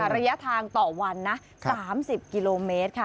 ระยะทางต่อวันนะ๓๐กิโลเมตรค่ะ